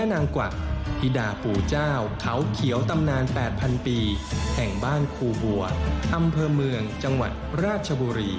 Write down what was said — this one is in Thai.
๗๗จังหวัดคุณผู้ชมลองไปดูหน่อยฮะ